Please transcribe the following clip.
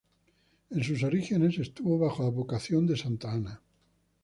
En sus orígenes, estuvo bajo advocación de Santa Ana.